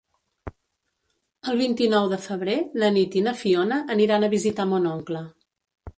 El vint-i-nou de febrer na Nit i na Fiona aniran a visitar mon oncle.